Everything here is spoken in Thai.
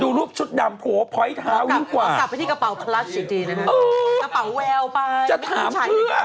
ดูรูปชุดดำโหไมโยร์รูปมีรูปชุดดำบน๕ีกกว่า